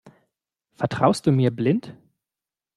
Vertraust du mir blind?